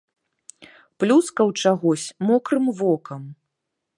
Плюскаў чагось мокрым вокам.